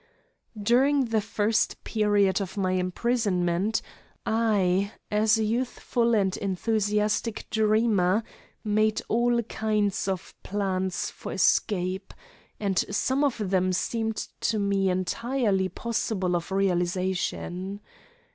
During the first period of my imprisonment, I, as a youthful and enthusiastic dreamer, made all kinds of plans for escape, and some of them seemed to me entirely possible of realisation.